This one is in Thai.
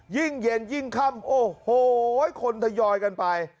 ยิ่งเย็นยิ่งค่ำโอ้โหคนทยอยกันไป